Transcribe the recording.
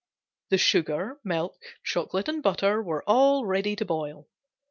The sugar, milk, chocolate and butter were all ready to boil.